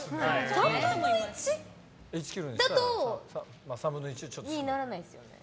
３分の１だと１ｋｇにならないですよね。